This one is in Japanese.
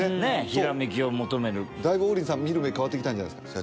ひらめきを求めるだいぶ王林さん見る目変わってきたんじゃないですか？